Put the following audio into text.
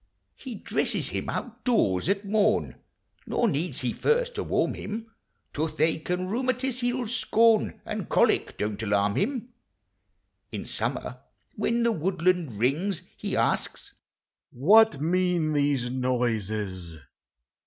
He dresses him out doors at morn, Nor needs he first to warm him; Toothache and rheumatis' he '11 scorn, And colic don't alarm him. In summer when the woodland rings, He asks " What mean these noises?